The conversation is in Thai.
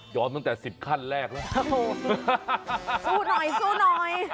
ยอมตั้งแต่๑๐ขั้นแรกแล้ว